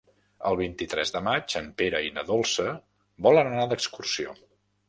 El vint-i-tres de maig en Pere i na Dolça volen anar d'excursió.